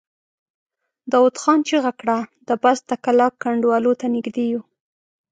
داوود خان چيغه کړه! د بست د کلا کنډوالو ته نږدې يو!